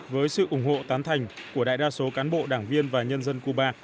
với sự ủng hộ tán thành của đại đa số cán bộ đảng viên và nhân dân cuba